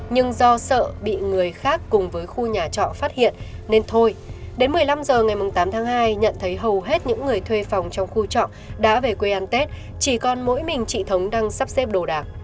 nhưng do sợ bị người khác cùng với khu nhà trọ phát hiện nên thôi đến một mươi năm h ngày tám tháng hai nhận thấy hầu hết những người thuê phòng trong khu trọ đã về quê ăn tết chỉ còn mỗi mình chị thống đang sắp xếp đồ đạc